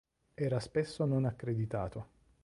Era spesso non accreditato.